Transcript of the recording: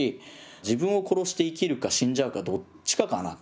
自分を殺して生きるか死んじゃうかどっちかかなって。